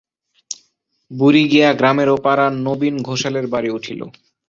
বুড়ি গিয়া গ্রামের ও-পাড়ার নবীন ঘোষালের বাড়ি উঠিল।